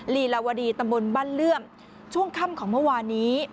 ลีลาวดีตำบลบ้านเลื่อมช่วงค่ำของเมื่อวานนี้